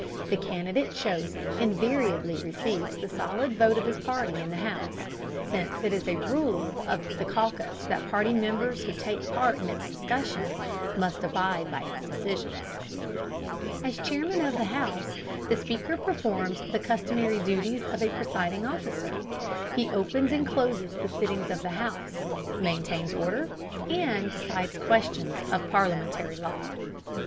The candidate chosen invariably receives the solid vote of his party in the House, since it is a rule of the caucus that party members who take part in its discussions must abide by its decisions. As chairman of the House, the Speaker performs the customary duties of a presiding officer. He opens and closes the sittings of the House, maintains order, and decides questions of parliamentary law.